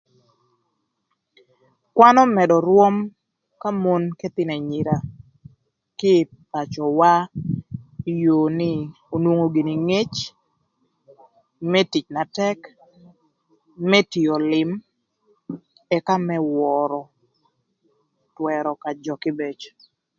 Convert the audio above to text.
Kwan ömëdö rwöm ka mon k'ëthïn anyira kï ï pacöwa ï yoo nï onwngo gïnï ngëc më tic na tëk, më tio lïm, ëka më wörö twërö ka jö kïbëc.